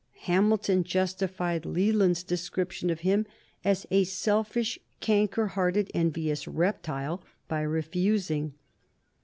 Hamilton justified Leland's description of him as a selfish, canker hearted, envious reptile by refusing.